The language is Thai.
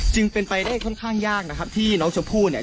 จึงเป็นไปได้ค่อนข้างยากนะครับที่น้องชมพู่เนี่ย